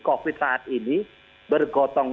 covid saat ini bergotong